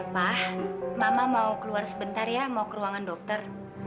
pak mama mau keluar sebentar ya mau ke ruangan dokter